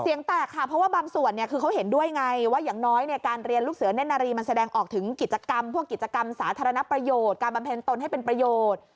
เสียงแตกค่ะเพราะว่าบางส่วนเนี่ยคือเขาเห็นด้วยไงว่าอย่างน้อยเนี่ยการเรียนลูกเสือเน่นนารีมันแสดงออกถึงกิจกรรมพวกกิจกรรมสาธารณประโยชน์การบำเพ็ญตนให้เป็นประโยชน์